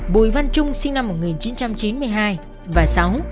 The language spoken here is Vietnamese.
năm bùi văn trung sinh năm một nghìn chín trăm chín mươi hai